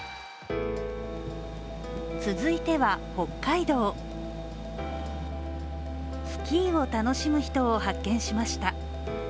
続いては北海道、スキーを楽しむ人を発見しました。